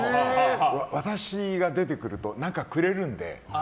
私が出てくると何かくれるので。